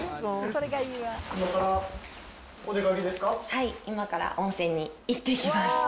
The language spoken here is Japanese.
はい、今から温泉に行ってきます。